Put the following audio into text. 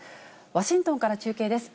ワシントンから中継です。